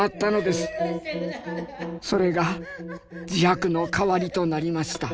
「それが自白の代わりとなりました」。